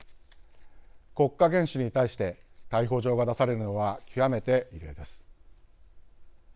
国家元首に対して逮捕状が出されるのは極めて異例です。